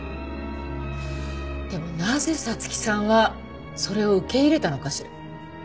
でもなぜ彩月さんはそれを受け入れたのかしら？